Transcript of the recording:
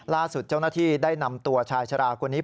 ล่าสุดเจ้าหน้าที่ได้นำตัวชายชะลาคนนี้